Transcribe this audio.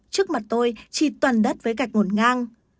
trước mặt tôi chỉ toàn đất với gạch ngổn ngang